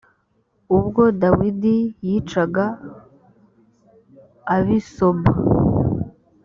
ubwo dawidi yicaga ab’i soba.